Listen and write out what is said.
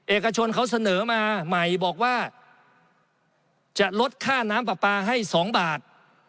เอกชนเขาเสนอมาใหม่บอกว่าจะลดค่าน้ำปลาปลาให้๒บาท